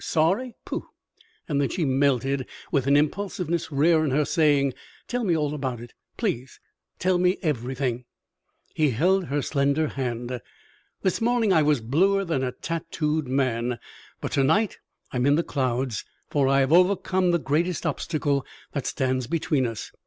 Sorry? Pooh!" Then she melted with an impulsiveness rare in her, saying, "Tell me all about it, please; tell me everything." He held her slender hand. "This morning I was bluer than a tatooed man, but to night I am in the clouds, for I have overcome the greatest obstacle that stands between us.